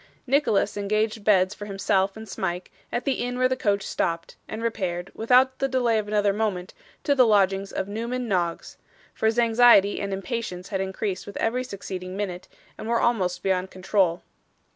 Nicholas engaged beds for himself and Smike at the inn where the coach stopped, and repaired, without the delay of another moment, to the lodgings of Newman Noggs; for his anxiety and impatience had increased with every succeeding minute, and were almost beyond control.